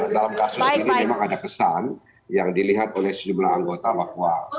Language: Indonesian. dalam kasus ini memang ada kesan yang dilihat oleh sejumlah anggota bahwa